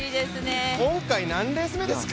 今回、何レース目ですか。